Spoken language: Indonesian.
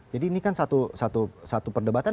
jadi ini kan satu perdebatan